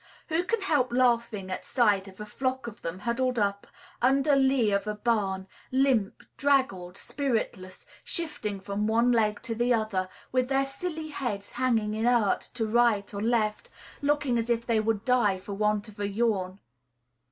Who can help laughing at sight of a flock of them huddled up under lee of a barn, limp, draggled, spiritless, shifting from one leg to the other, with their silly heads hanging inert to right or left, looking as if they would die for want of a yawn?